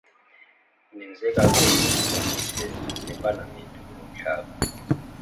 Nenze kakuhle ukuba nize nePalamente kulo mhlaba.